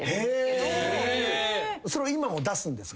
それは今も出すんですか？